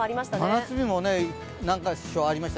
真夏日も何カ所かありました。